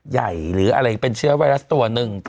หรืออะไรเป็นเชื้อไวรัสตัวหนึ่ง